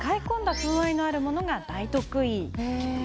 風合いのあるものが大得意。